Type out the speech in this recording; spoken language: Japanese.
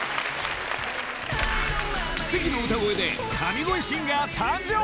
奇跡の歌声で神声シンガー誕生！